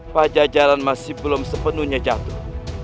pajajaran masih belum sepenuhnya jatuh